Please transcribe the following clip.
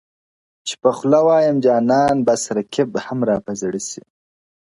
• چي په خوله وایم جانان بس رقیب هم را په زړه سي..